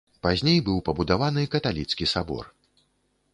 Пазней быў пабудаваны каталіцкі сабор.